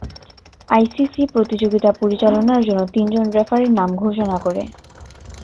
ICC প্রতিযোগিতা পরিচালনার জন্য তিনজন রেফারির নাম ঘোষণা করে।